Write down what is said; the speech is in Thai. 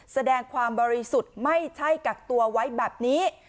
แสดงความบริสุทธิ์ไม่ใช่กักตัวไว้แบบนี้